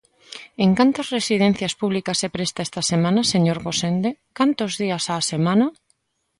¿En cantas residencias públicas se presta esta semana, señor Gosende?, ¿cantos días á semana?